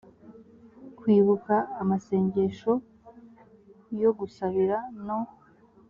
kwibuka amasengesho yo gusabira no